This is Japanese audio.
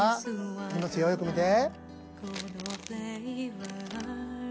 いきますよよく見て。